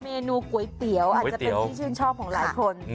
เมนูก๋วยเตี๋ยวอาจจะเป็นที่ชื่นชอบของหลายคน